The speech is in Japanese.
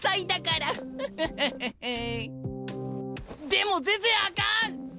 でも全然あかん！